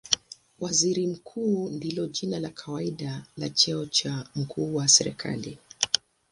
Waziri Mkuu ndilo jina la kawaida la cheo cha mkuu wa serikali.